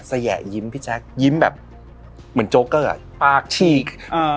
แยะยิ้มพี่แจ๊คยิ้มแบบเหมือนโจ๊เกอร์อ่ะปากฉีกอ่า